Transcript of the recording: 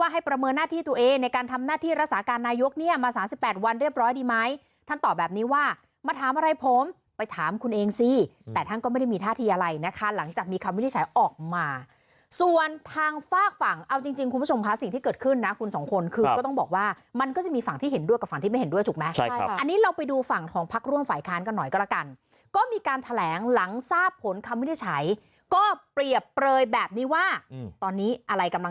หน้าที่รักษาการนายุกเนี่ยมา๓๘วันเรียบร้อยดีไหมท่านตอบแบบนี้ว่ามาถามอะไรผมไปถามคุณเองสิแต่ท่านก็ไม่ได้มีท่าทีอะไรนะคะหลังจากมีคำวิทย์ใช้ออกมาส่วนทางฝากฝั่งเอาจริงจริงคุณผู้ชมพาสิ่งที่เกิดขึ้นนะคุณสองคนคือก็ต้องบอกว่ามันก็จะมีฝั่งที่เห็นด้วยกับฝั่งที่ไม่เห็นด้วยถูกไหมใช่คร